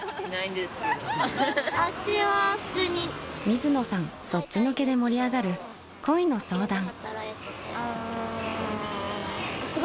［水野さんそっちのけで盛り上がる恋の相談］